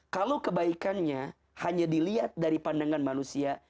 kalau kebaikannya hanya dilihat dari pandangan manusia